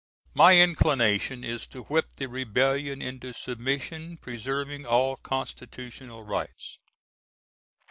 My inclination is to whip the rebellion into submission, preserving all constitutional rights.